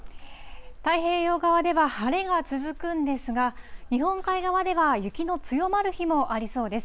太平洋側では晴れが続くんですが、日本海側では雪の強まる日もありそうです。